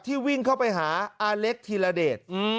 ที่วิ่งเข้าไปหาอาเล็กทีละเดช